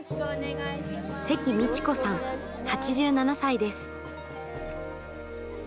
関美智子さん８７歳です。